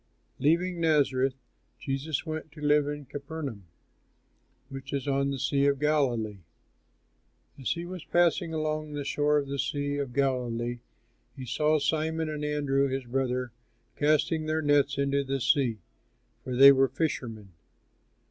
Leaving Nazareth, Jesus went to live in Capernaum, which is on the Sea of Galilee. As he was passing along the shore of the Sea of Galilee, he saw Simon and Andrew his brother casting their nets into the sea, for they were fishermen.